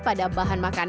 pada bahan makanan